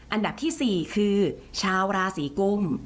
อันดับที่๔คือชาวราศีกุม